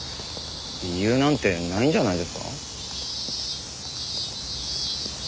理由なんてないんじゃないですか？